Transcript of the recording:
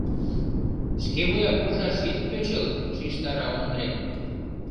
— Шкевуя куржаш ит тӧчыл, — шижтара Ондре.